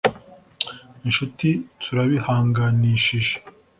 inshuti turabihanganishije